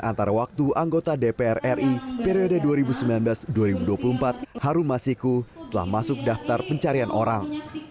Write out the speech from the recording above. antara waktu anggota dpr ri periode dua ribu sembilan belas dua ribu dua puluh empat harun masiku telah masuk daftar pencarian orang